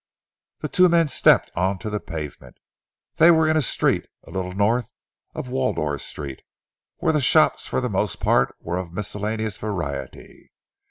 The two men stepped on to the pavement. They were in a street a little north of Wardour Street, where the shops for the most part were of a miscellaneous variety.